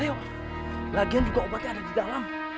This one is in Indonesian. ayo lagian juga obatnya ada di dalam